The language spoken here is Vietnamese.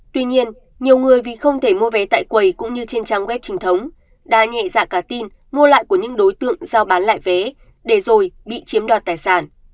tuy nhiên nhiều người vì không thể mua vé tại quầy cũng như trên trang web chính thống đã nhẹ dạ cả tin mua lại của những đối tượng giao bán lại vé để rồi bị chiếm đoạt tài sản